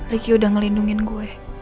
riki udah ngelindungin gue